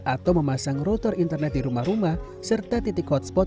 atau memasang rotor internet di rumah rumah serta titik hotspot